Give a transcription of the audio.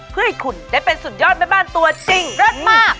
เพื่อให้คุณได้เป็นสุดยอดแม่บ้านตัวจริงเลิศมาก